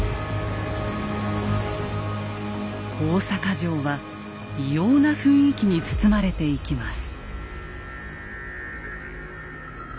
大坂城は異様な雰囲気に包まれていきます。